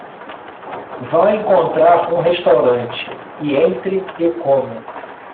Vá encontrar um restaurante e entre e coma